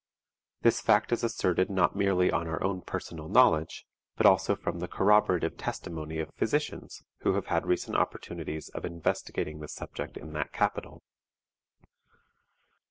This fact is asserted not merely on our own personal knowledge, but also from the corroborative testimony of physicians who have had recent opportunities of investigating the subject in that capital.